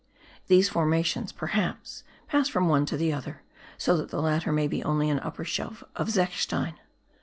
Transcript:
These formations, perhaps, pass from one to the other, so that the latter may be only an upper shelf of zechstein.